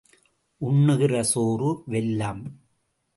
உண்ணுகிற சோறு வெல்லம்.